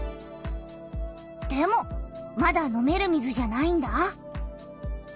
でもまだ飲める水じゃないんだ。